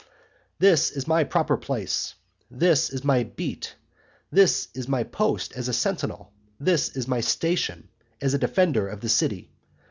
This is my proper place, this is my beat, this is my post as a sentinel, this is my station as a defender of the city.